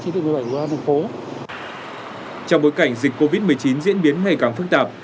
trong bối cảnh dịch covid một mươi chín diễn biến ngày càng phức tạp